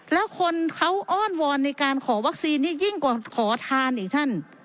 แล้วคนเขาอ้อนวอนในการขอวัคซีนที่ยิ่งกว่าขอทานอีกท่าน